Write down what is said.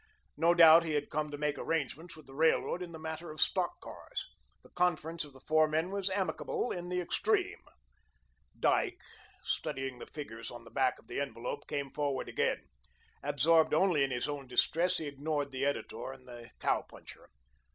No doubt he had come to make arrangements with the Railroad in the matter of stock cars. The conference of the four men was amicable in the extreme. Dyke, studying the figures on the back of the envelope, came forward again. Absorbed only in his own distress, he ignored the editor and the cow puncher.